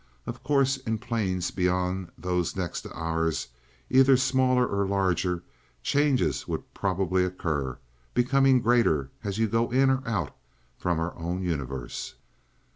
Of course, in planes beyond those next to ours, either smaller or larger, changes would probably occur, becoming greater as you go in or out from our own universe."